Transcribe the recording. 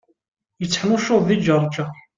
Yetteḥnuccuḍ di Ǧerǧer.